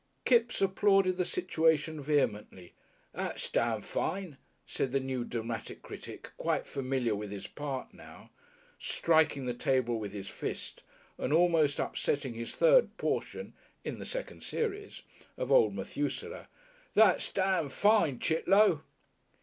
Kipps applauded the situation vehemently. "Tha's dam' fine," said the new dramatic critic, quite familiar with his part now, striking the table with his fist and almost upsetting his third portion (in the second series) of old Methusaleh. "Tha's dam' fine, Chit'low!"